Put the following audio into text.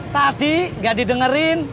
tadi gak didengerin